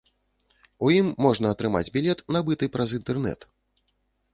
У ім можна атрымаць білет, набыты праз інтэрнэт.